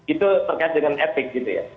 itu terkait dengan etik gitu ya